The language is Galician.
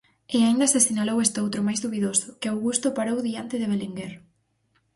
E aínda se sinalou estoutro, máis dubidoso: que Augusto parou diante de Belenguer.